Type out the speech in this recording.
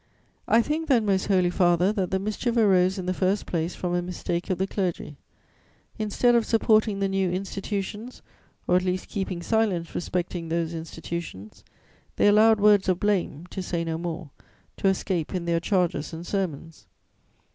"'I think then, Most Holy Father, that the mischief arose in the first place from a mistake of the clergy: instead of supporting the new institutions, or at least keeping silence respecting those institutions, they allowed words of blame, to say no more, to escape in their charges and sermons.